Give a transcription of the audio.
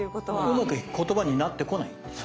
うまく言葉になってこないんですね。